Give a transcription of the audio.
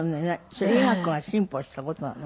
それ医学が進歩した事なの？